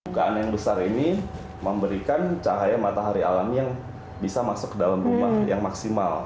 dugaan yang besar ini memberikan cahaya matahari alami yang bisa masuk ke dalam rumah yang maksimal